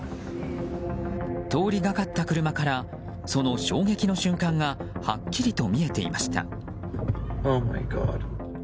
通りがかった車からその衝撃の瞬間がはっきりと見えていました。